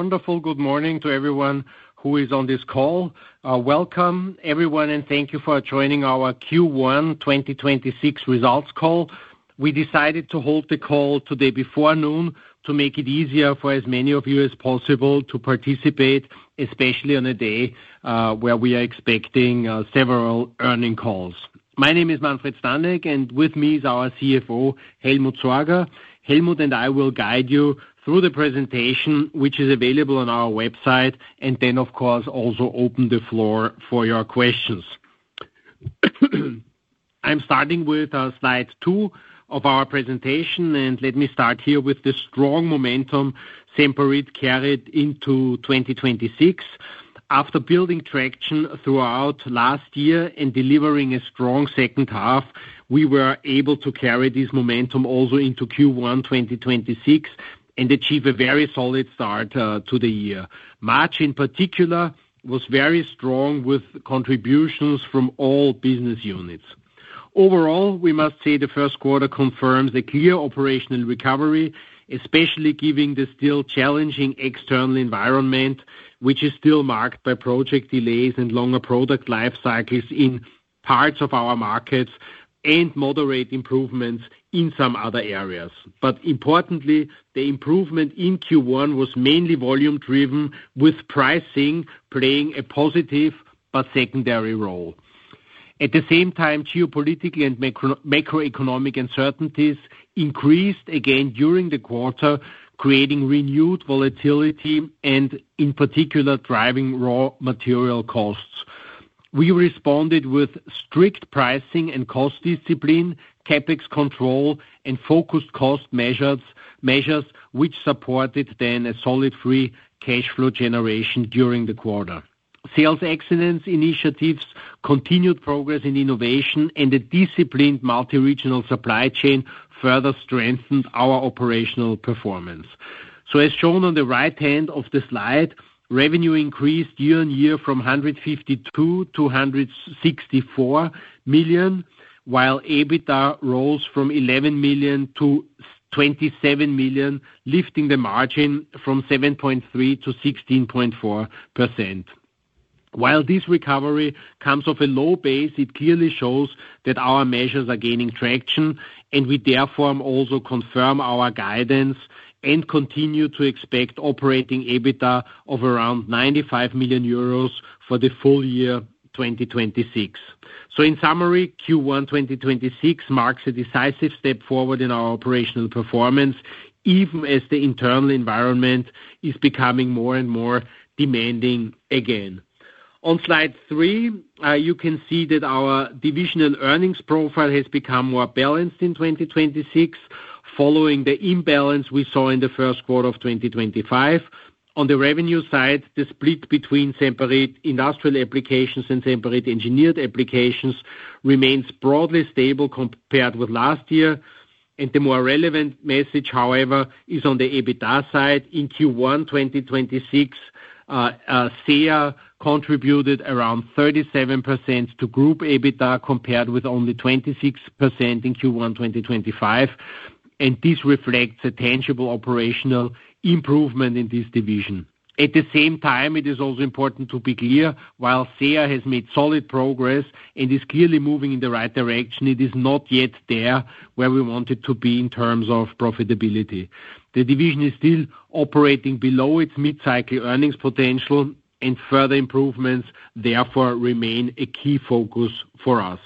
A wonderful good morning to everyone who is on this call. Welcome everyone, and thank you for joining our Q1 2026 results call. We decided to hold the call today before noon to make it easier for as many of you as possible to participate, especially on a day when we are expecting several earnings calls. My name is Manfred Stanek, and with me is our CFO, Helmut Sorger. Helmut and I will guide you through the presentation, which is available on our website, and then, of course, also open the floor for your questions. I'm starting with slide two of our presentation. Let me start here with the strong momentum Semperit carried into 2026. After building traction throughout last year and delivering a strong second half, we were able to carry this momentum also into Q1 2026 and achieve a very solid start to the year. March in particular was very strong with contributions from all business units. Overall, we must say the first quarter confirms a clear operational recovery, especially giving the still challenging external environment, which is still marked by project delays and longer product life cycles in parts of our markets and moderate improvements in some other areas. Importantly, the improvement in Q1 was mainly volume-driven, with pricing playing a positive but secondary role. At the same time, geopolitical and macroeconomic uncertainties increased again during the quarter, creating renewed volatility and, in particular, driving raw material costs. We responded with strict pricing and cost discipline, CapEx control, and focused cost measures, which supported a solid free cash flow generation during the quarter. Sales excellence initiatives, continued progress in innovation, and a disciplined multi-regional supply chain further strengthened our operational performance. As shown on the right hand of the slide, revenue increased year-on-year from 152 million-164 million, while EBITDA rose from 11 million-27 million, lifting the margin from 7.3% to 16.4%. While this recovery comes off a low base, it clearly shows that our measures are gaining traction, and we therefore also confirm our guidance and continue to expect operating EBITDA of around 95 million euros for the full year 2026. In summary, Q1 2026 marks a decisive step forward in our operational performance, even as the internal environment is becoming more and more demanding again. On slide three, you can see that our divisional earnings profile has become more balanced in 2026 following the imbalance we saw in the first quarter of 2025. On the revenue side, the split between Semperit Industrial Applications and Semperit Engineered Applications remains broadly stable compared with last year. The more relevant message, however, is on the EBITDA side. In Q1 2026, SEA contributed around 37% to group EBITDA compared with only 26% in Q1 2025, and this reflects a tangible operational improvement in this division. At the same time, it is also important to be clear: while SEA has made solid progress and is clearly moving in the right direction, it is not yet where we want it to be in terms of profitability. The division is still operating below its mid-cycle earnings potential, and further improvements, therefore, remain a key focus for us.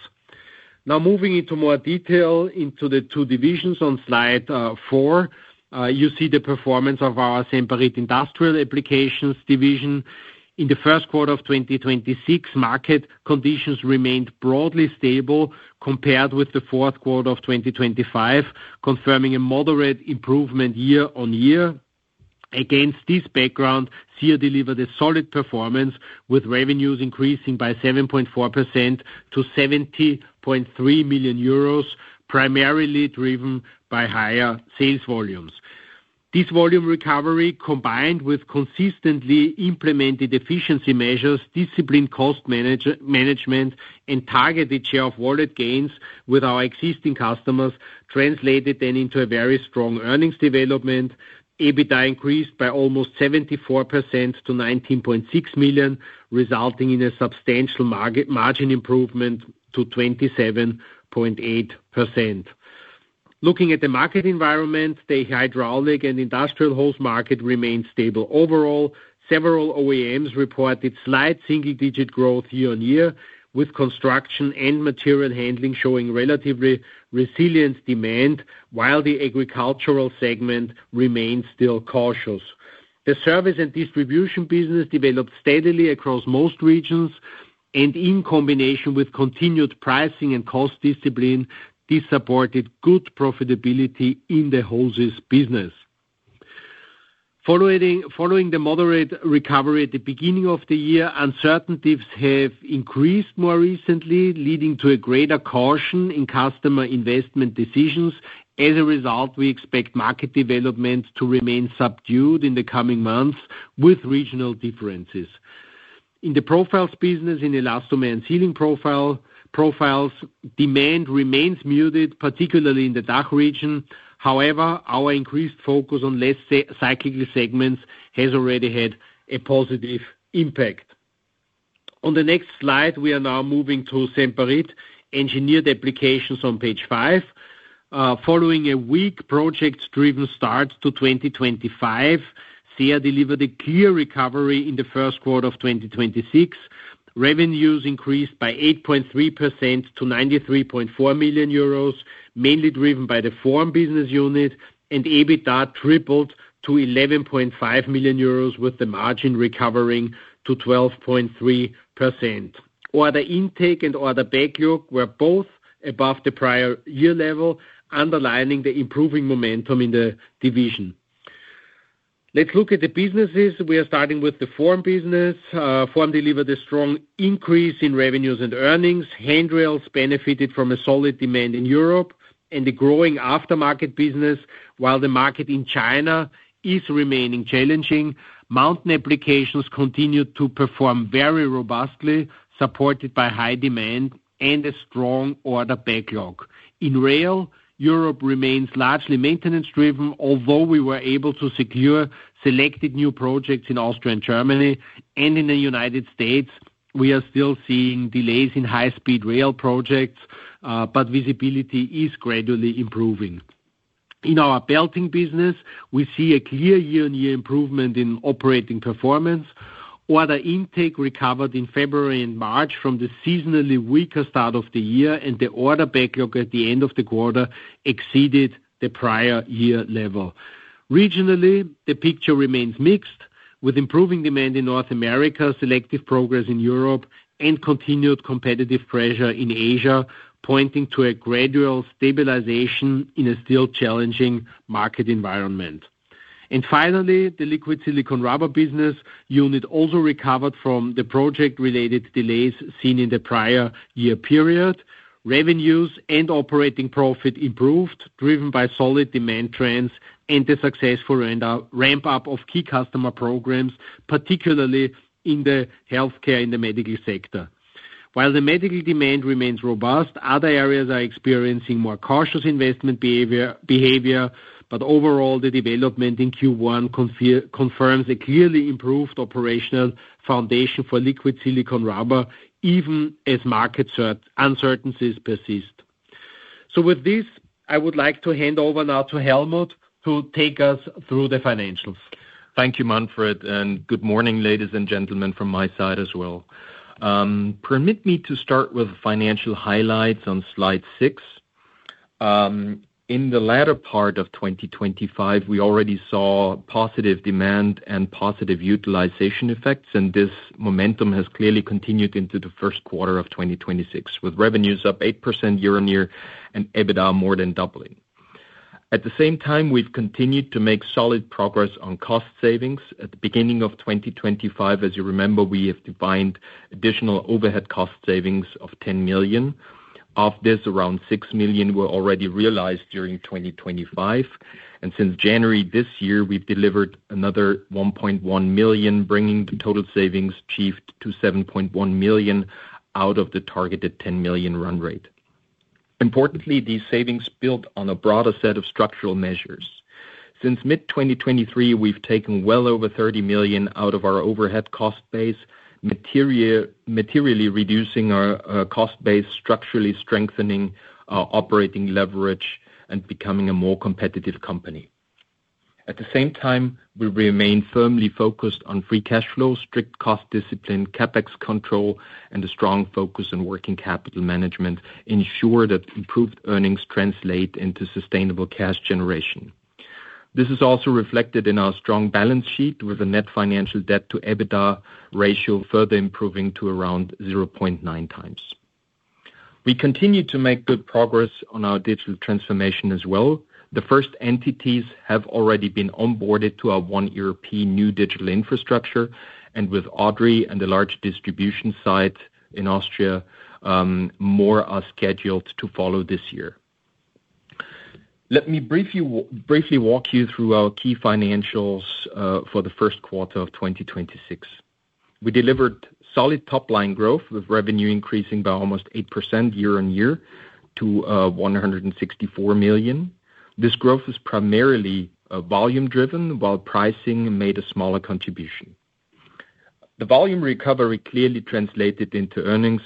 Moving into more detail on the two divisions on slide four, you see the performance of our Semperit Industrial Applications division. In the first quarter of 2026, market conditions remained broadly stable compared with the fourth quarter of 2025, confirming a moderate improvement year-on-year. Against this background, SEA delivered a solid performance with revenues increasing by 7.4% to 70.3 million euros, primarily driven by higher sales volumes. This volume recovery, combined with consistently implemented efficiency measures, disciplined cost management, and targeted share of wallet gains with our existing customers, translated then into a very strong earnings development. EBITDA increased by almost 74% to 19.6 million, resulting in a substantial margin improvement to 27.8%. Looking at the market environment, the hydraulic and industrial hose market remained stable. Overall, several OEMs reported slight single-digit growth year-on-year, with construction and material handling showing relatively resilient demand while the agricultural segment remains still cautious. The service and distribution business developed steadily across most regions, and in combination with continued pricing and cost discipline, this supported good profitability in the hoses business. Following the moderate recovery at the beginning of the year, uncertainties have increased more recently, leading to a greater caution in customer investment decisions. As a result, we expect market development to remain subdued in the coming months, with regional differences. In the profiles business, in elastomer and ceiling profiles, profile demand remains muted, particularly in the DACH region. Our increased focus on less cyclical segments has already had a positive impact. On the next slide, we are now moving to Semperit Engineered Applications on page five. Following a weak project-driven start to 2025, SEA delivered a clear recovery in the first quarter of 2026. Revenues increased by 8.3% to 93.4 million euros, mainly driven by the FORM Business unit, and EBITDA tripled to 11.5 million euros, with the margin recovering to 12.3%. Order intake and order backlog were both above the prior year level, underlining the improving momentum in the division. Let's look at the businesses. We are starting with the FORM Business. FORM delivered a strong increase in revenues and earnings. Handrails benefited from a solid demand in Europe and the growing aftermarket business, while the market in China remains challenging. Mountain applications continued to perform very robustly, supported by high demand and a strong order backlog. In rail, Europe remains largely maintenance-driven, although we were able to secure selected new projects in Austria and Germany. In the U.S., we are still seeing delays in high-speed rail projects, but visibility is gradually improving. In our belting business, we see a clear year-on-year improvement in operating performance. Order intake recovered in February and March from the seasonally weaker start of the year, and the order backlog at the end of the quarter exceeded the prior year level. Regionally, the picture remains mixed, with improving demand in North America, selective progress in Europe, and continued competitive pressure in Asia, pointing to a gradual stabilization in a still challenging market environment. Finally, the liquid silicone rubber business unit also recovered from the project-related delays seen in the prior year period. Revenues and operating profit improved, driven by solid demand trends and the successful ramp-up of key customer programs, particularly in the healthcare, in the medical sectors. While the medical demand remains robust, other areas are experiencing more cautious investment behavior, but overall, the development in Q1 confirms a clearly improved operational foundation for liquid silicone rubber, even as market uncertainties persist. With this, I would like to hand over now to Helmut to take us through the financials. Thank you, Manfred, and good morning, ladies and gentlemen, from my side as well. Permit me to start with financial highlights on slide six. In the latter part of 2025, we already saw positive demand and positive utilization effects, and this momentum has clearly continued into the first quarter of 2026, with revenues up 8% year-on-year and EBITDA more than doubling. At the same time, we've continued to make solid progress on cost savings. At the beginning of 2025, as you remember, we have defined additional overhead cost savings of 10 million. Of this, around 6 million were already realized during 2025. Since January this year, we've delivered another 1.1 million, bringing the total savings achieved to 7.1 million out of the targeted 10 million run rate. Importantly, these savings build on a broader set of structural measures. Since mid-2023, we've taken well over 30 million out of our overhead cost base, materially reducing our cost base, structurally strengthening our operating leverage, and becoming a more competitive company. At the same time, we remain firmly focused on free cash flow, strict cost discipline, CapEx control, and a strong focus on working capital management to ensure that improved earnings translate into sustainable cash generation. This is also reflected in our strong balance sheet, with a net financial debt to EBITDA ratio further improving to around 0.9x. We continue to make good progress on our digital transformation as well. The first entities have already been onboarded to our one European new digital infrastructure, and with Odry and the large distribution site in Austria, more are scheduled to follow this year. Let me briefly walk you through our key financials for the first quarter of 2026. We delivered solid top-line growth, with revenue increasing by almost 8% year-on-year to 164 million. This growth is primarily volume-driven, while pricing made a smaller contribution. The volume recovery clearly translated into earnings.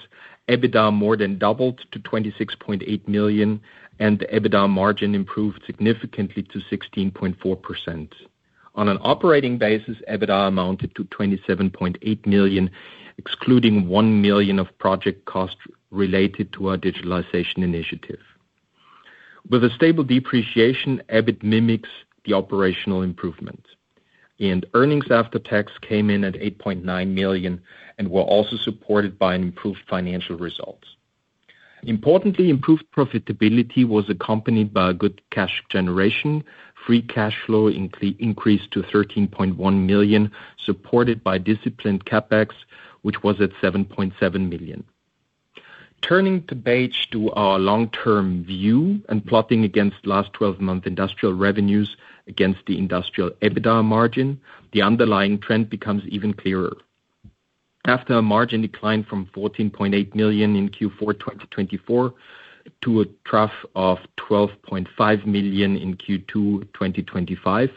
EBITDA more than doubled to 26.8 million, and the EBITDA margin improved significantly to 16.4%. On an operating basis, EBITDA amounted to 27.8 million, excluding 1 million of project costs related to our digitalization initiative. With a stable depreciation, EBIT mimics the operational improvement. Earnings after tax came in at 8.9 million and were also supported by improved financial results. Importantly, improved profitability was accompanied by good cash generation. Free cash flow increased to 13.1 million, supported by disciplined CapEx, which was at 7.7 million. Turning the page to our long-term view and plotting against last 12-month industrial revenues against the industrial EBITDA margin, the underlying trend becomes even clearer. After a margin decline from 14.8 million in Q4 2024 to a trough of 12.5 million in Q2 2025,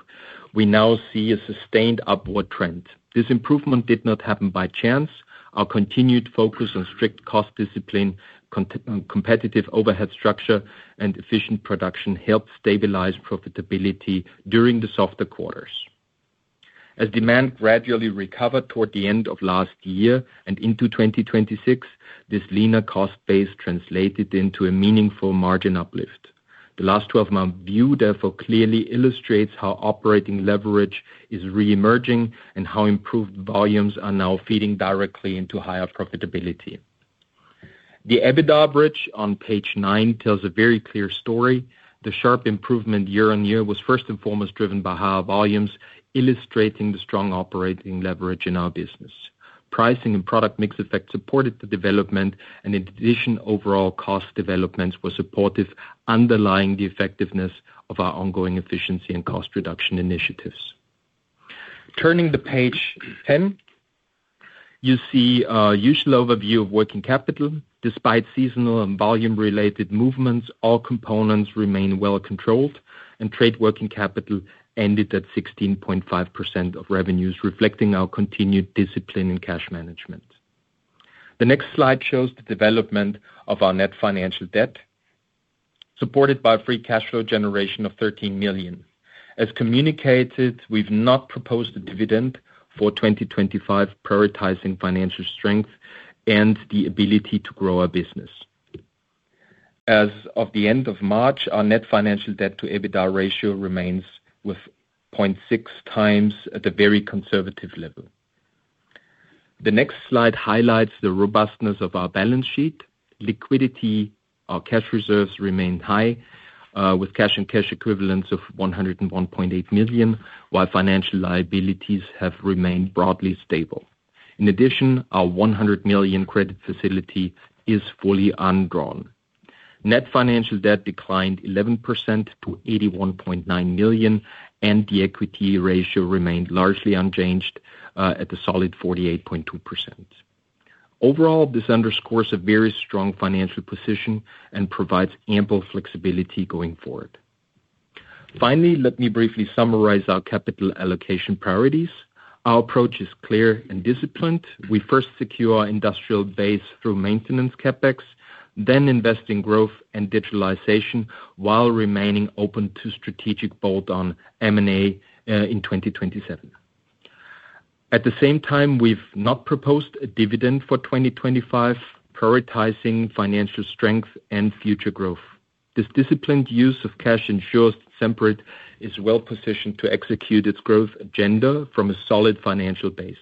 we now see a sustained upward trend. This improvement did not happen by chance. Our continued focus on strict cost discipline, competitive overhead structure, and efficient production helped stabilize profitability during the softer quarters. As demand gradually recovered toward the end of last year and into 2026, this leaner cost base translated into a meaningful margin uplift. The last 12-month view therefore clearly illustrates how operating leverage is re-emerging and how improved volumes are now feeding directly into higher profitability. The EBITDA bridge on page nine tells a very clear story. The sharp improvement year-on-year was first and foremost driven by higher volumes, illustrating the strong operating leverage in our business. Pricing and product mix effects supported the development. In addition, overall cost developments were supportive, underlying the effectiveness of our ongoing efficiency and cost reduction initiatives. Turning to page 10, you see our usual overview of working capital. Despite seasonal and volume-related movements, all components remain well controlled, and trade working capital ended at 16.5% of revenues, reflecting our continued discipline in cash management. The next slide shows the development of our net financial debt, supported by free cash flow generation of 13 million. As communicated, we've not proposed a dividend for 2025, prioritizing financial strength and the ability to grow our business. As of the end of March, our net financial debt to EBITDA ratio remains at 0.6x, a very conservative level. The next slide highlights the robustness of our balance sheet. Liquidity, our cash reserves remained high, with cash and cash equivalents of 101.8 million, while financial liabilities have remained broadly stable. In addition, our 100 million credit facility is fully undrawn. Net financial debt declined 11% to 81.9 million, and the equity ratio remained largely unchanged, at a solid 48.2%. Overall, this underscores a very strong financial position and provides ample flexibility going forward. Finally, let me briefly summarize our capital allocation priorities. Our approach is clear and disciplined. We first secure our industrial base through maintenance CapEx, then invest in growth and digitalization while remaining open to strategic bolt-on M&A in 2027. At the same time, we've not proposed a dividend for 2025, prioritizing financial strength and future growth. This disciplined use of cash ensures Semperit is well-positioned to execute its growth agenda from a solid financial base.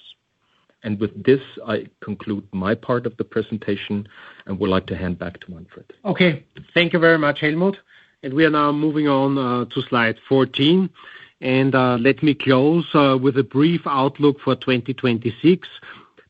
With this, I conclude my part of the presentation and would like to hand back to Manfred. Okay, thank you very much, Helmut. We are now moving on to slide 14. Let me close with a brief outlook for 2026.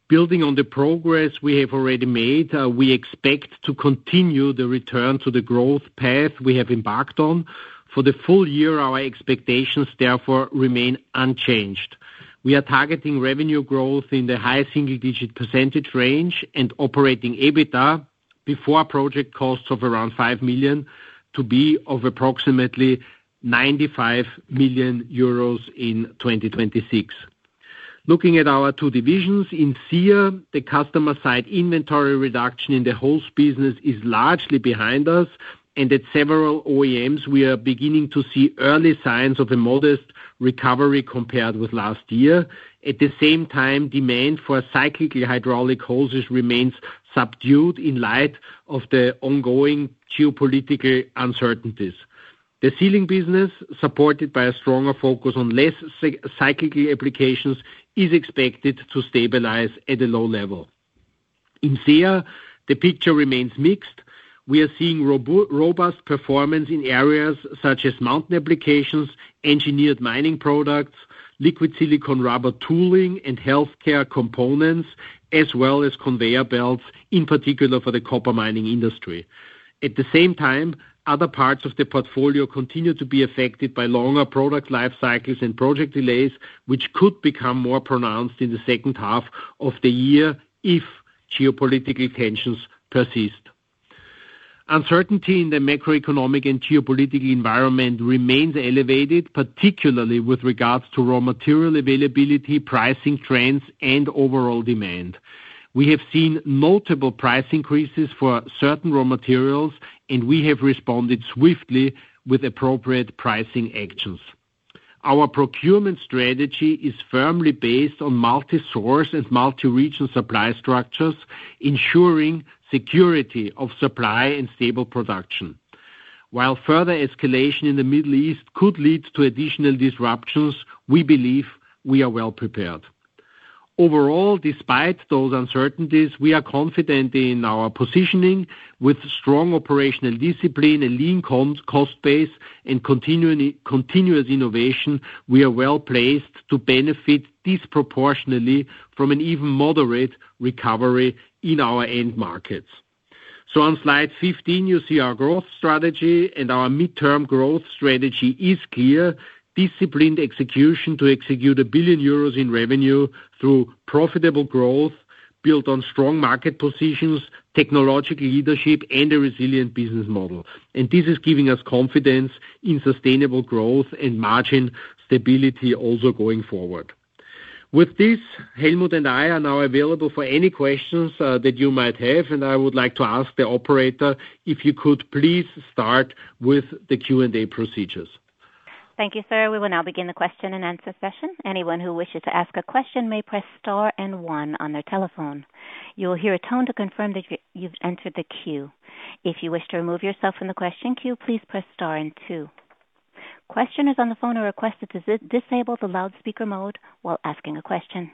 Building on the progress we have already made, we expect to continue the return to the growth path we have embarked on. For the full year, our expectations, therefore, remain unchanged. We are targeting revenue growth in the high single-digit percentage range and operating EBITDA before project costs of around 5 million to be approximately 95 million euros in 2026. Looking at our two divisions, in SEA, the customer-side inventory reduction in the hose business is largely behind us, and at several OEMs, we are beginning to see early signs of a modest recovery compared with last year. At the same time, demand for cyclical hydraulic hoses remains subdued in light of the ongoing geopolitical uncertainties. The sealing business, supported by a stronger focus on less cyclical applications, is expected to stabilize at a low level. In SEA, the picture remains mixed. We are seeing robust performance in areas such as mountain applications, engineered mining products, liquid silicone rubber tooling, and healthcare components, as well as conveyor belts, in particular for the copper mining industry. The same time, other parts of the portfolio continue to be affected by longer product life cycles and project delays, which could become more pronounced in the second half of the year if geopolitical tensions persist. Uncertainty in the macroeconomic and geopolitical environment remains elevated, particularly with regards to raw material availability, pricing trends, and overall demand. We have seen notable price increases for certain raw materials; we have responded swiftly with appropriate pricing actions. Our procurement strategy is firmly based on multi-source and multi-region supply structures, ensuring security of supply and stable production. While further escalation in the Middle East could lead to additional disruptions, we believe we are well prepared. Overall, despite those uncertainties, we are confident in our positioning. With strong operational discipline, a lean cost base, and continuous innovation, we are well-placed to benefit disproportionately from an even moderate recovery in our end markets. On slide 15, you see our growth strategy, and our midterm growth strategy is clear. Disciplined execution to execute 1 billion euros in revenue through profitable growth built on strong market positions, technological leadership, and a resilient business model. This is giving us confidence in sustainable growth and margin stability also going forward. With this, Helmut and I are now available for any questions that you might have. I would like to ask the operator if you could please start with the Q&A procedures. Thank you, sir. We will now begin the question-and-answer session. Anyone who wishes to ask a question may press star and one on their telephone. You will hear a tone to confirm that you've entered the queue. If you wish to remove yourself from the question queue, please press star and two. Questioners on the phone are requested to disable the loudspeaker mode while asking a question.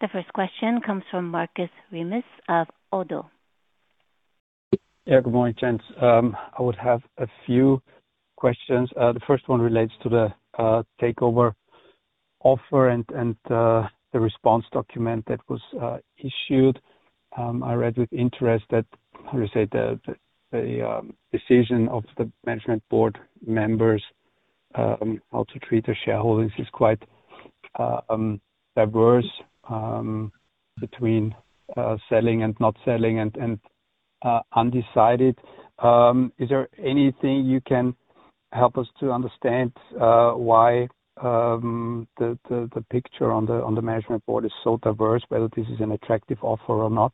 The first question comes from Markus Remis of Oddo. Yeah. Good morning, gents. I would have a few questions. The first one relates to the takeover offer and the response document that was issued. I read with interest that, how do you say, the decision of the management board members on how to treat the shareholders is quite diverse between selling and not selling and undecided. Is there anything you can help us to understand why the picture on the management board is so diverse, whether this is an attractive offer or not?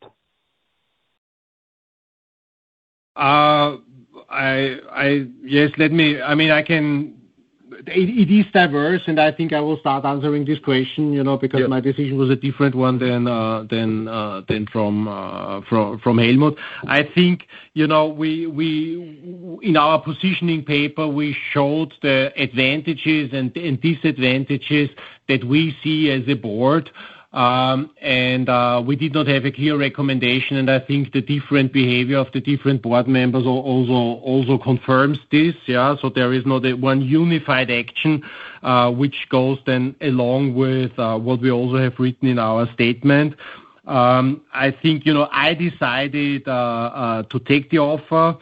Yes, it is diverse, and I think I will start answering this question, you know, because my decision was a different one than Helmut's. I think, you know, in our positioning paper, we showed the advantages and disadvantages that we see as a board. We did not have a clear recommendation. I think the different behavior of the different board members also confirms this, yeah. There is no one unified action which goes along with what we also have written in our statement. I think, you know, I decided to take the offer.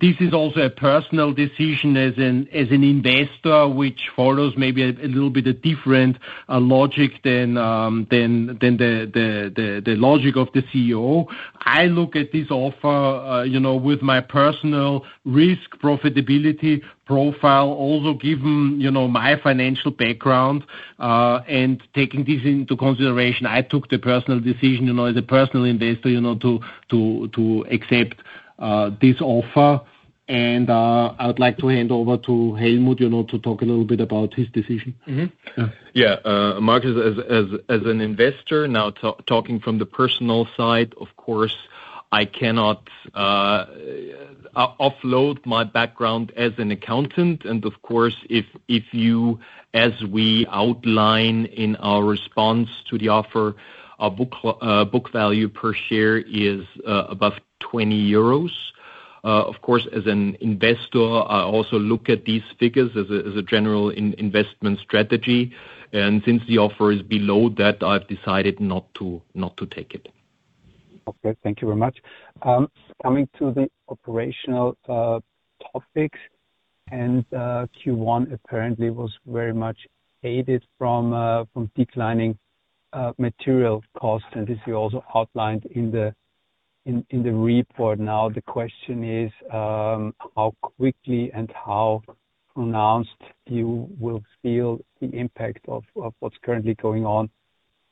This is also a personal decision as an investor, which follows maybe a little bit of different logic than the logic of the CEO. I look at this offer, you know, with my personal risk profitability profile also given, you know, my financial background, and taking this into consideration. I took the personal decision, you know, as a personal investor, you know, to accept this offer. I would like to hand over to Helmut, you know, to talk a little bit about his decision. Yeah. Markus, as an investor now talking from the personal side, of course, I cannot offload my background as an accountant. Of course, if you, as we outline in our response to the offer, have a book value per share above 20 euros. Of course, as an investor, I also look at these figures as a general investment strategy. Since the offer is below that, I've decided not to take it. Okay. Thank you very much. Coming to the operational topics, Q1 apparently was very much aided by declining material costs, and this you also outlined in the report. The question is how quickly and how pronounced you will feel the impact of what's currently going on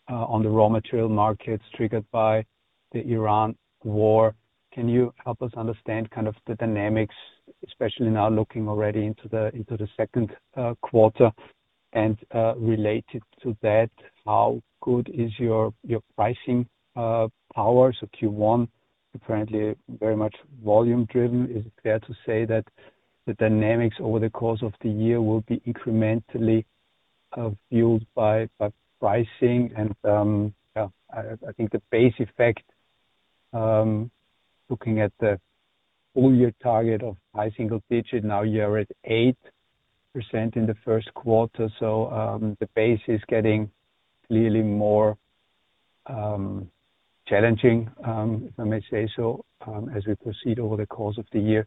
on the raw material markets, triggered by the Iran war. Can you help us understand kind of the dynamics, especially now looking already into the second quarter, and related to that, how good is your pricing power? Q1 is apparently very much volume-driven. Is it fair to say that the dynamics over the course of the year will be incrementally fueled by pricing and the base effect, looking at the full-year target of high single-digit, now you're at 8% in the first quarter. The base is getting clearly more challenging, if I may say so, as we proceed over the course of the year.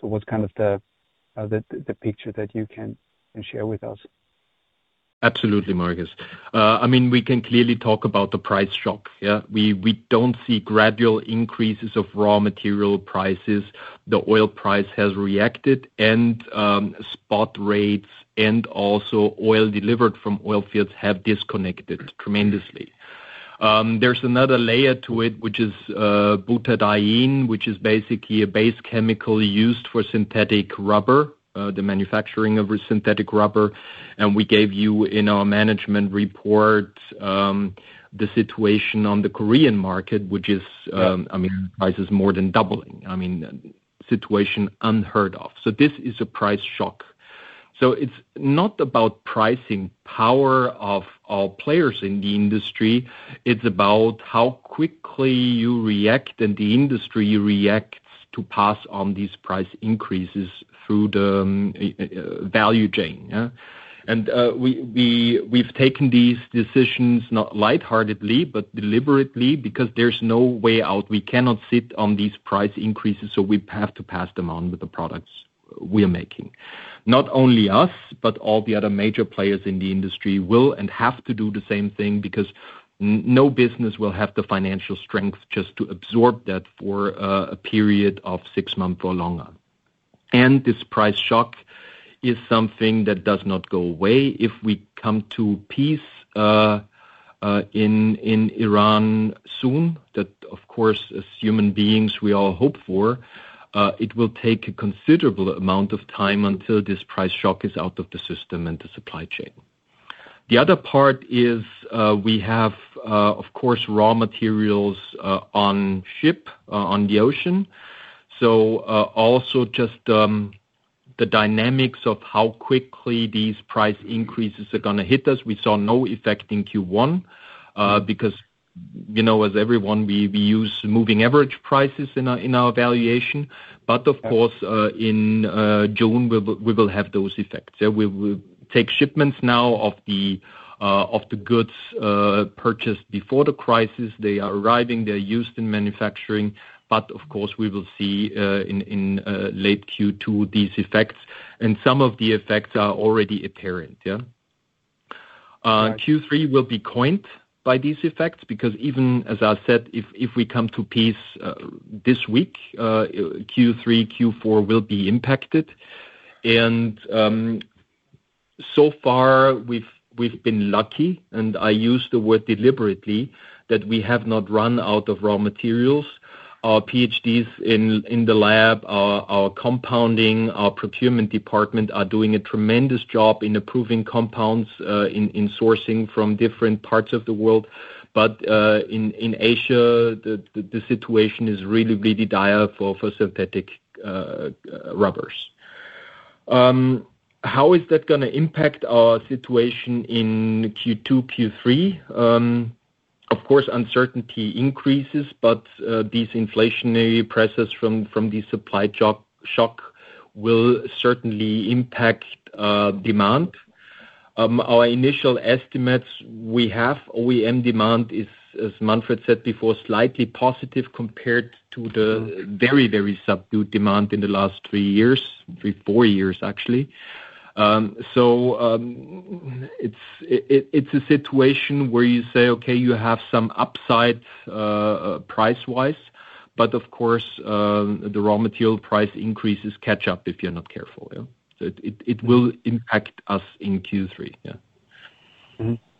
What kind of picture can you share with us? Absolutely, Markus. I mean, we can clearly talk about the price shock. Yeah. We don't see gradual increases of raw material prices. The oil price has reacted, and spot rates and also oil delivered from oil fields have disconnected tremendously. There's another layer to it, which is butadiene, which is basically a base chemical used for synthetic rubber, in the manufacturing of synthetic rubber. We gave you in our management report, the situation on the Korean market, which is, I mean, prices more than doubling. I mean, a situation unheard of. This is a price shock. It's not about the pricing power of all players in the industry. It's about how quickly you react and the industry reacts to pass on these price increases through the value chain, yeah. We've taken these decisions not lightheartedly but deliberately because there's no way out. We cannot sit on these price increases; we have to pass them on with the products we are making. Not only us, but all the other major players in the industry will and have to do the same thing because no business will have the financial strength just to absorb that for a period of six months or longer. This price shock is something that does not go away. If we come to peace in Iran soon, that of course, as human beings, we all hope for, it will take a considerable amount of time until this price shock is out of the system and the supply chain. The other part is we have, of course, raw materials on ships on the ocean. Also, just the dynamics of how quickly these price increases are going to hit us. We saw no effect in Q1, because, you know, as everyone, we use moving average prices in our valuation. Of course, in June, we will have those effects. Yeah, we will take shipments now of the goods purchased before the crisis. They are arriving; they're used in manufacturing, but of course, we will see in late Q2 these effects, and some of the effects are already apparent. Yeah. Q3 will be coined by these effects because, even as I said, if we come to peace this week, Q3, Q4 will be impacted. So far we've been lucky, and I use the word "deliberately," that we have not run out of raw materials. Our PhDs in the lab, our compounding, and our procurement department are doing a tremendous job in approving compounds, in sourcing from different parts of the world. In ASEA, the situation is really dire for synthetic rubbers. How is that going to impact our situation in Q2, Q3? Of course, uncertainty increases; these inflationary prices from the supply shock will certainly impact demand. Our initial estimates we have OEM demand is, as Manfred said before, slightly positive compared to the very, very subdued demand in the last three years, four years, actually. It's a situation where you say, okay, you have some upside price-wise, but of course, the raw material price increases catch up if you're not careful. It will impact us in Q3.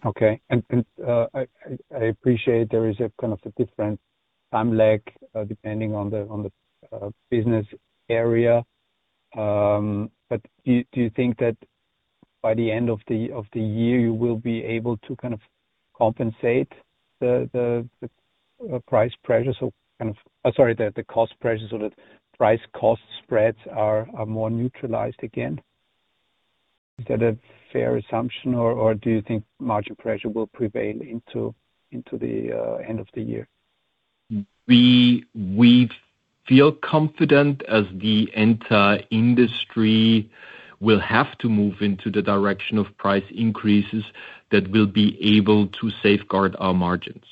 Okay. I appreciate that there is a kind of a different time lag, depending on the business area. Do you think that by the end of the year, you will be able to compensate for the price pressures or the cost pressures or the price-cost spreads are more neutralized again? Is that a fair assumption, or do you think margin pressure will prevail into the end of the year? We feel confident, as the entire industry will have to move into the direction of price increases, that we'll be able to safeguard our margins.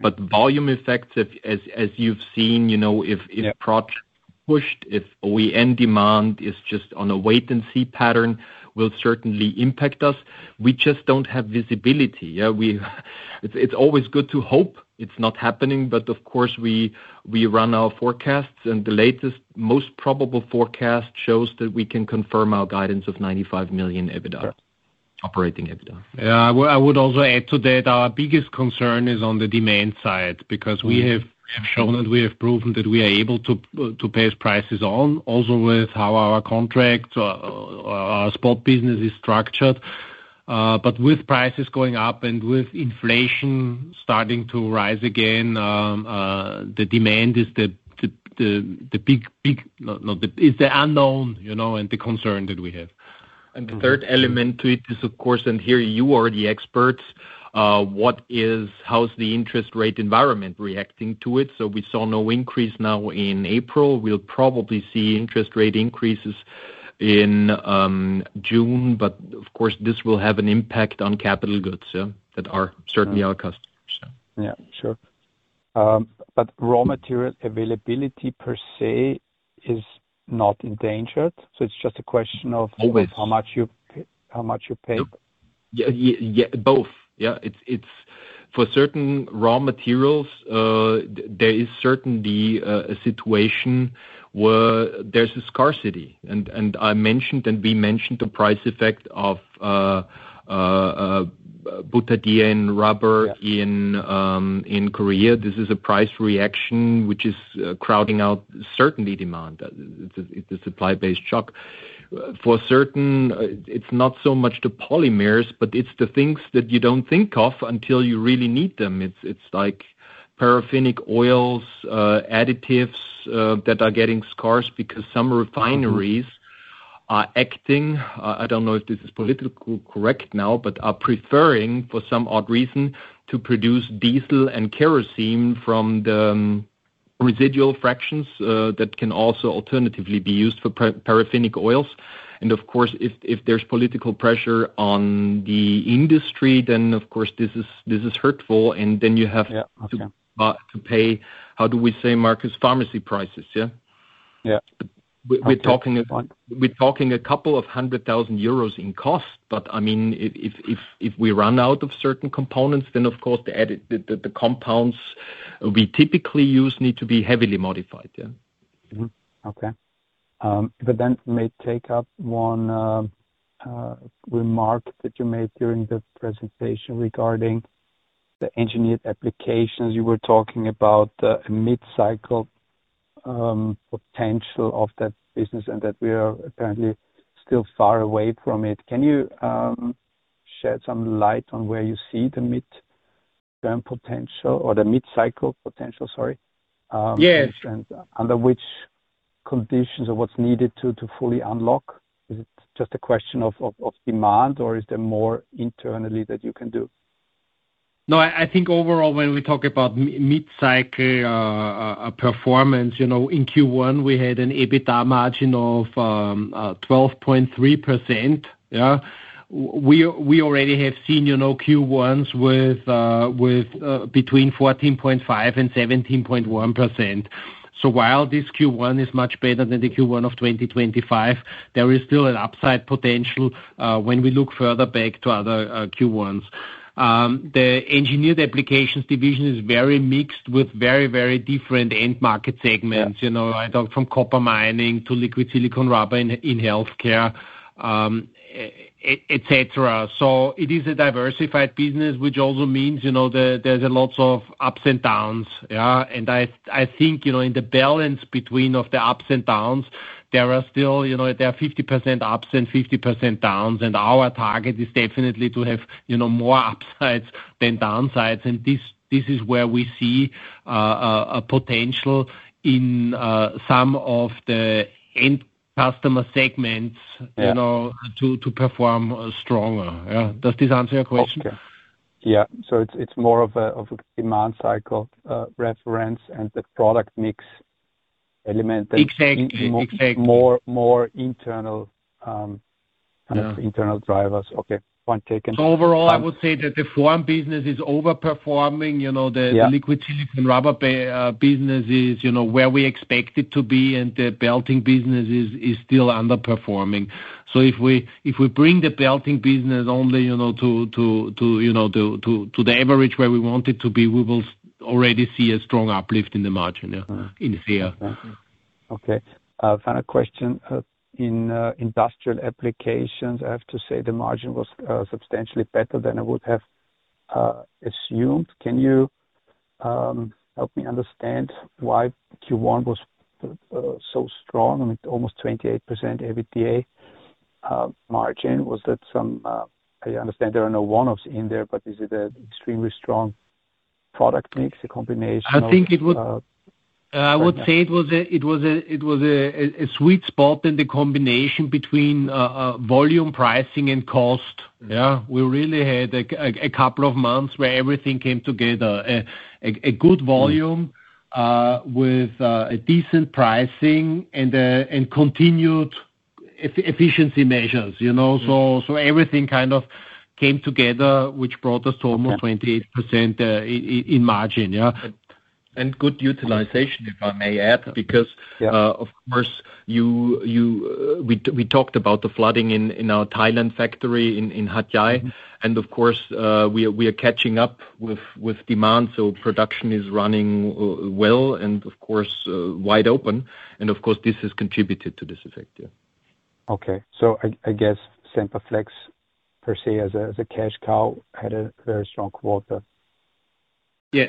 Okay. Volume effects, as you've seen, you know. If product pushed, if OEM demand is just on a wait-and-see pattern, it will certainly impact us. We just don't have visibility. It's always good to hope it's not happening, but of course, we run our forecasts, and the latest most probable forecast shows that we can confirm our guidance of 95 million EBITDA. Yeah. Operating EBITDA. Well, I would also add that our biggest concern is on the demand side because we have shown and we have proven that we are able to pass prices on also with how our contract or our spot business is structured. With prices going up and with inflation starting to rise again, the demand is the unknown, you know, and the concern that we have. The third element to it is, of course, and here you are the experts, how's the interest rate environment reacting to it? We saw no increase now in April. We'll probably see interest rate increases in June. Of course, this will have an impact on capital goods, yeah, that are certainly our customers. Yeah, sure. Raw material availability per se is not endangered, so it's just a question. Always How much you pay? No. Yeah, yeah, both. Yeah. It's for certain raw materials; there is certainly a situation where there's a scarcity. I mentioned and we mentioned, the price effect of butadiene rubber— Yeah in Korea. This is a price reaction which is crowding out certain demand. It's a supply-based shock. For certain, it's not so much the polymers, but it's the things that you don't think of until you really need them. It's like paraffinic oils, additives that are getting scarce because some refineries. Are acting, I don't know if this is politically correct now, but are preferring for some odd reason to produce diesel and kerosene from the residual fractions, that can also alternatively be used for paraffinic oils. Of course, if there's political pressure on the industry, then of course this is hurtful. Yeah. Okay. to pay. How do we say it, Markus? Pharmacy prices, yeah. Yeah. We-we're talking- Okay. Fine. We're talking a couple of 100,000 euros in cost. I mean, if we run out of certain components, then of course the added compounds we typically use need to be heavily modified. Yeah. Okay. May take up one remark that you made during the presentation regarding the Semperit Engineered Applications. You were talking about a mid-cycle potential of that business and that we are apparently still far away from it. Can you shed some light on where you see the midterm potential or the mid-cycle potential? Sorry. Yes. Under which conditions or what's needed to fully unlock? Is it just a question of demand, or is there more internally that you can do? No, I think overall when we talk about mid-cycle performance, you know, in Q1 we had an EBITDA margin of 12.3%. Yeah. We already have seen, you know, Q1s with between 14.5% and 17.1%. While this Q1 is much better than the Q1 of 2025, there is still an upside potential when we look further back to other Q1s. The engineered applications division is very mixed with very different end-market segments. Yeah. You know, I talk from copper mining to liquid silicone rubber in healthcare, et cetera. It is a diversified business, which also means, you know, there are lots of ups and downs. Yeah. I think, you know, in the balance between the ups and downs, there are still, you know, 50% ups and 50% downs, and our target is definitely to have, you know, more upsides than downsides. This is where we see a potential in some of the end customer segments. Yeah. you know, to perform stronger. Yeah. Does this answer your question? Okay. Yeah. It's more of a demand cycle reference and product mix element. Exactly. Exactly. More internal. Yeah. kind of internal drivers. Okay. Point taken. Overall, I would say that the form business is overperforming, you know. Yeah. The liquid silicone rubber business is, you know, where we expect it to be, and the belting business is still underperforming. If we, if we bring the belting business only, you know, to the average where we want it to be, we will already see a strong uplift in the margin. Yeah. In fair. Okay. Final question. In Industrial Applications, I have to say the margin was substantially better than I would have assumed. Can you help me understand why Q1 was so strong with an almost 28% EBITDA margin? I understand there are no one-offs in there, but is it an extremely strong product mix, a combination of? I think it would- I would say it was a sweet spot in the combination between volume pricing and cost. Yeah. We really had a couple of months where everything came together. A good volume with decent pricing and continued efficiency measures, you know. Everything kind of came together, which brought— Okay. 28% in margin. Yeah. Good utilization, if I may add. Yeah. Of course, we talked about the flooding in our Thailand factory in Hat Yai. Of course, we are catching up with demand, so production is running well and, of course, wide open. Of course, this has contributed to this effect. Yeah. Okay. I guess Semperflex per se, as a cash cow, had a very strong quarter. Yeah.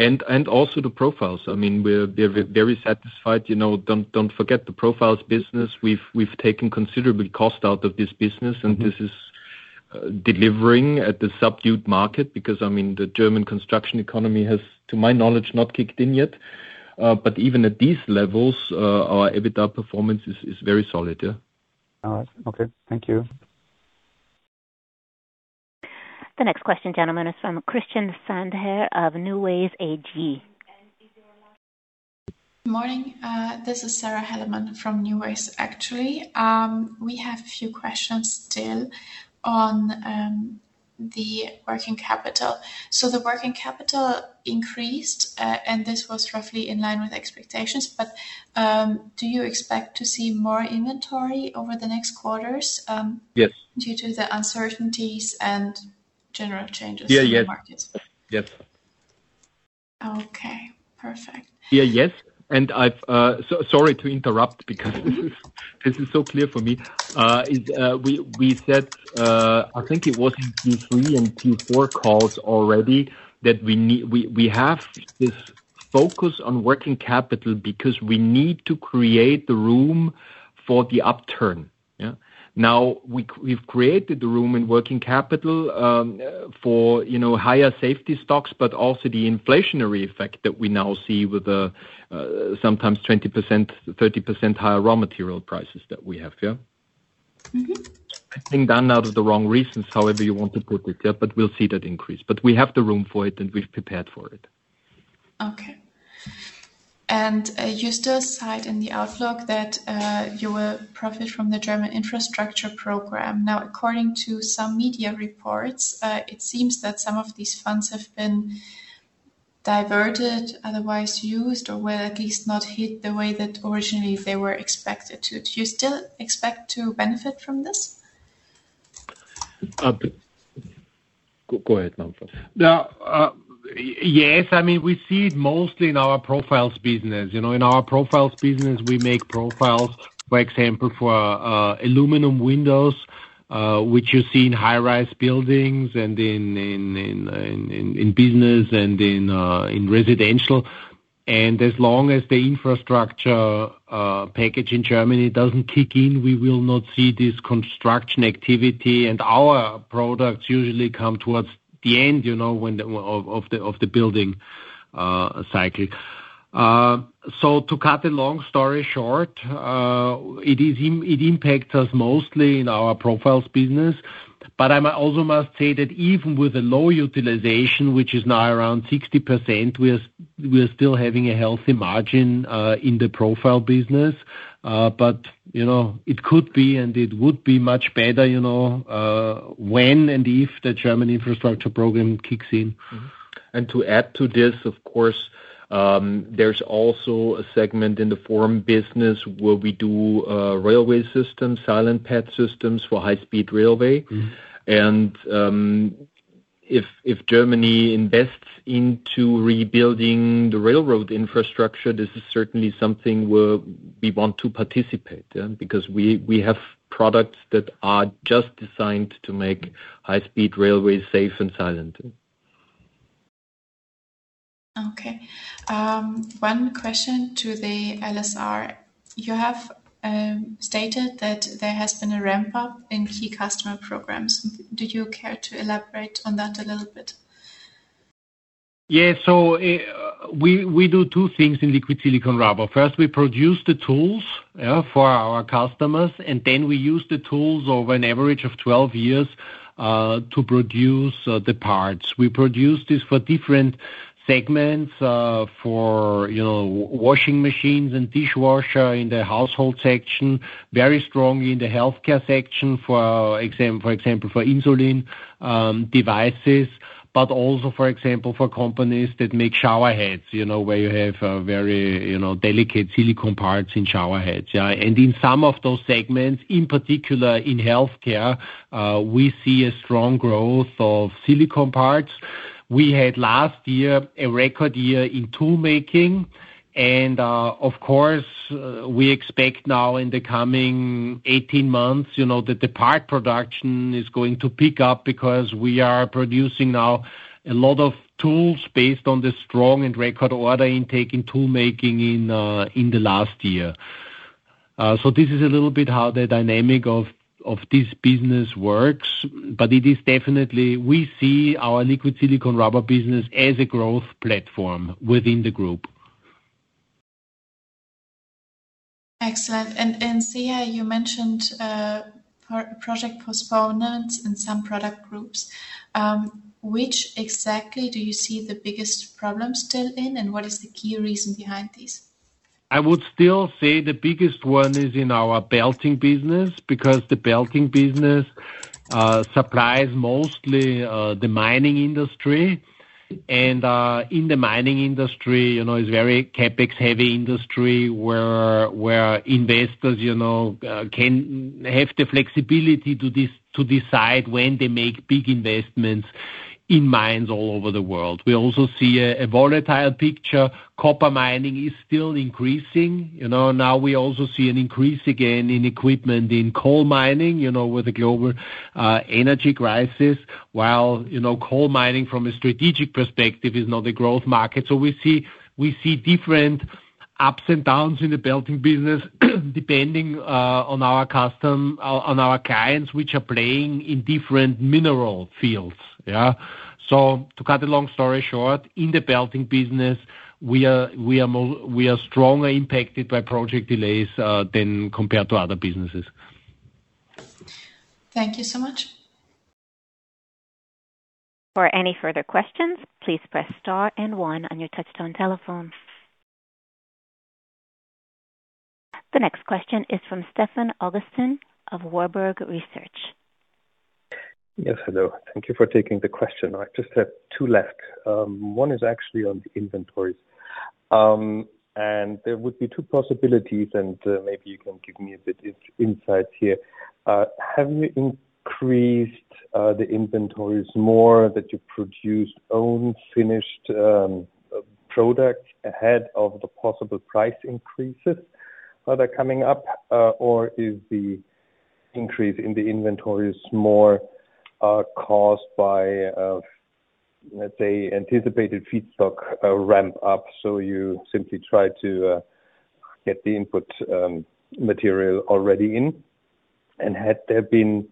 Also the profiles. I mean, we're very satisfied. You know, don't forget the profiles' business. We've taken considerable cost out of this business. This is delivering at the subdued market because, I mean, the German construction economy has, to my knowledge, not kicked in yet. Even at these levels, our EBITDA performance is very solid. Yeah. All right. Okay. Thank you. The next question, gentlemen, is from Christian Sandherr of NuWays AG. Good morning. This is Sarah Hellemann from NuWays, actually. We have a few questions still on the working capital. The working capital increased, and this was roughly in line with expectations, but do you expect to see more inventory over the next quarters? Yes. Due to the uncertainties and general changes. Yeah. Yeah. In the markets? Yes. Okay. Perfect. Yes. I'm sorry to interrupt because this is, this is so clear for me. We said, I think it was in Q3 and Q4 calls already, that we have this focus on working capital because we need to create the room for the upturn. We've created the room in working capital for, you know, higher safety stocks but also for the inflationary effect that we now see with the sometimes 20% or 30% higher raw material prices that we have. I think it's done for the wrong reasons, however you want to put it, yeah, but we'll see that increase. We have the room for it, and we've prepared for it. Okay. You still cite in the outlook that you will profit from the German infrastructure program. According to some media reports, it seems that some of these funds have been diverted or otherwise used or were at least not hit the way that originally they were expected to. Do you still expect to benefit from this? I mean, we see it mostly in our profiles' businesses. You know, in our profiles business, we make profiles, for example, for aluminum windows, which you see in high-rise buildings and in businesses and in residential. As long as the infrastructure package in Germany doesn't kick in, we will not see this construction activity. Our products usually come towards the end, you know, when the building cycle. To cut a long story short, it impacts us mostly in our profiles' businesses. I also must say that even with a low utilization, which is now around 60%, we are still having a healthy margin in the profile business. You know, it could be and it would be much better, you know, when and if the German infrastructure program kicks in. To add to this, of course, there's also a segment in the SEA business where we do railway systems, SemperSilentPads, for high-speed railways. If Germany invests into rebuilding the railroad infrastructure, this is certainly something where we want to participate, yeah. Because we have products that are just designed to make high-speed railways safe and silent. Okay. One question to the LSR. You have stated that there has been a ramp-up in key customer programs. Do you care to elaborate on that a little bit? We do two things in liquid silicone rubber. First, we produce the tools for our customers, and then we use the tools over an average of 12 years to produce the parts. We produce this for different segments, for, you know, washing machines and dishwashers in the household section, very strong in the healthcare section, for example, for insulin devices, but also, for example, for companies that make shower heads, you know, where you have very, you know, delicate silicone parts in shower heads. In some of those segments, in particular in healthcare, we see strong growth of silicone parts. We had last year a record year in tool making, and, of course, we expect now in the coming 18 months, you know, that the part production is going to pick up because we are producing now a lot of tools based on the strong and record order intake in tool making in the last year. This is a little bit how the dynamic of this business works, but it is definite; we see our liquid silicone rubber business as a growth platform within the group. Excellent. SEA, you mentioned project postponements in some product groups. Which exactly do you see the biggest problem still, and what is the key reason behind these? I would still say the biggest one is in our belting business, because the belting business supplies mostly the mining industry. In the mining industry, you know, it's a very CapEx-heavy industry where investors, you know, can have the flexibility to decide when they make big investments in mines all over the world. We also see a volatile picture. copper mining is still increasing. You know, now we also see an increase again in equipment in coal mining, you know, with the global energy crisis. While, you know, coal mining from a strategic perspective is not a growth market. We see different ups and downs in the belting business depending on our clients, which are playing in different mineral fields, yeah. To cut a long story short, in the belting business, we are strongly impacted by project delays than compared to other businesses. Thank you so much. For any further questions, please press star and one on your touch-tone telephone. The next question is from Stefan Augustin of Warburg Research. Yes, hello. Thank you for taking the question. I just have two left. One is actually on the inventories. There would be two possibilities; maybe you can give me a bit of insight here. Have you increased the inventories more that you produce own finished product ahead of the possible price increases that are coming up? Or is the increase in the inventories more caused by, let's say anticipated feedstock ramp-up, so you simply try to get the input material already in? Had there been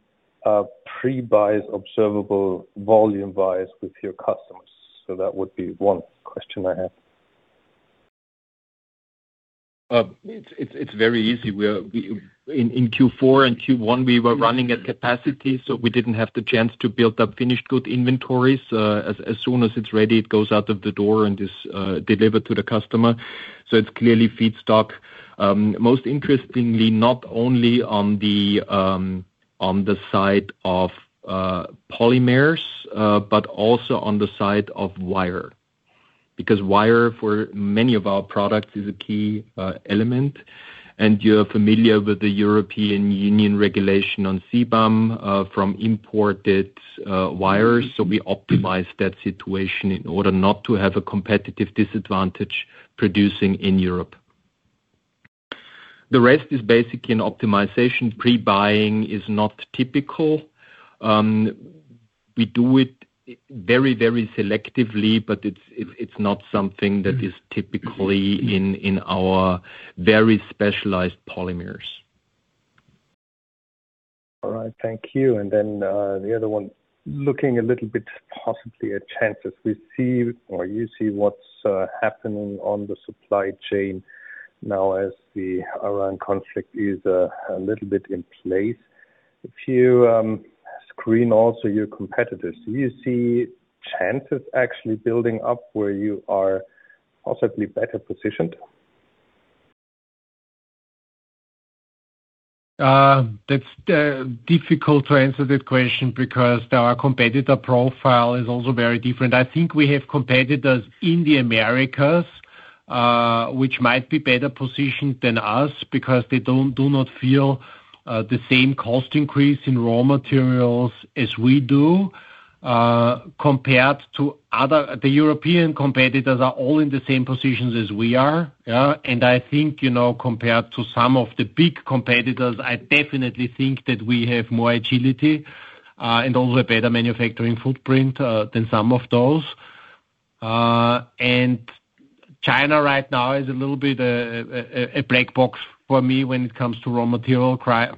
a pre-buy observable volume buy with your customers? That would be one question I have. It's very easy. In Q4 and Q1, we were running at capacity, so we didn't have the chance to build up finished good inventories. As soon as it's ready, it goes out of the door and is delivered to the customer. It's clearly feedstock. Most interestingly, not only on the side of polymers but also on the side of wire. Wire for many of our products is a key element, and you're familiar with the European Union regulation on CBAM from imported wires. We optimize that situation in order not to have a competitive disadvantage producing in Europe. The rest is basically an optimization. Pre-buying is not typical. We do it very, very selectively, but it's not something that is typically in our very specialized polymers. All right. Thank you. The other one, looking a little bit possibly at chances we see or you see what's happening on the supply chain now as the Iran conflict is a little bit in place. If you screen also your competitors, do you see chances actually building up where you are possibly better positioned? That's difficult to answer that question because their competitor profile is also very different. I think we have competitors in the Americas, which might be better positioned than us because they do not feel the same cost increase in raw materials as we do, compared to The European competitors, who are all in the same positions as we are. Yeah. I think, you know, compared to some of the big competitors, I definitely think that we have more agility and also a better manufacturing footprint than some of them. China right now is a little bit of a black box for me when it comes to raw material prices,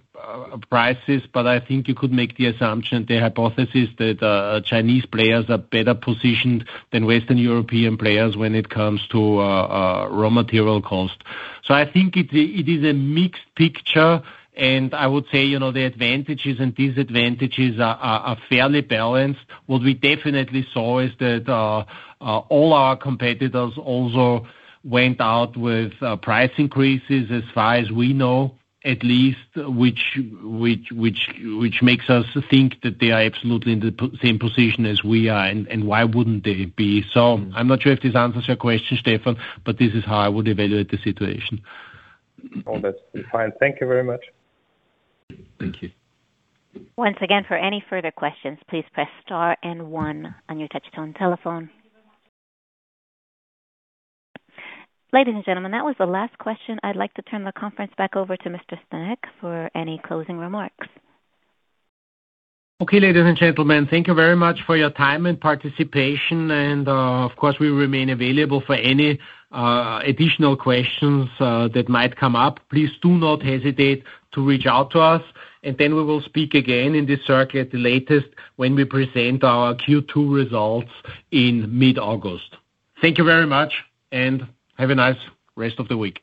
but I think you could make the assumption, the hypothesis, that Chinese players are better positioned than Western European players when it comes to raw material cost. I think it is a mixed picture, and I would say, you know, the advantages and disadvantages are fairly balanced. What we definitely saw is that all our competitors also went out with price increases as far as we know, at least, which makes us think that they are absolutely in the same position as we are, and why wouldn't they be? I'm not sure if this answers your question, Stefan, but this is how I would evaluate the situation. Oh, that's fine. Thank you very much. Thank you. Once again, for any further questions, please press star and one on your touch-tone telephone. Ladies and gentlemen, that was the last question. I'd like to turn the conference back over to Mr. Stanek for any closing remarks. Ladies and gentlemen, thank you very much for your time and participation. Of course, we remain available for any additional questions that might come up. Please do not hesitate to reach out to us. We will speak again in this circuit the latest when we present our Q2 results in mid-August. Thank you very much and have a nice rest of the week.